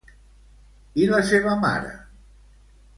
I la seva mare?